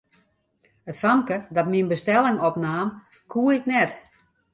It famke dat myn bestelling opnaam, koe ik net.